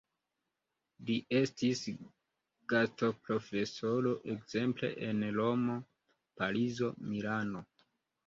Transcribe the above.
Li estis gastoprofesoro ekzemple en Romo, Parizo, Milano.